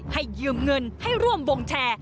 ยืมเงินให้ร่วมวงแชร์